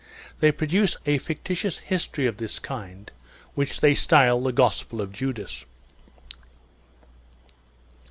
They produce a fictitious history of this kind, which they style the Gospel of Judas.